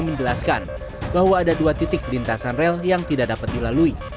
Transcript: menjelaskan bahwa ada dua titik lintasan rel yang tidak dapat dilalui